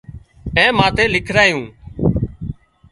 اين ماٿي لکرايون